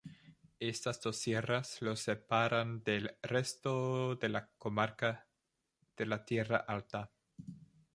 Estas dos sierras lo separan del resto de la comarca de la Tierra Alta.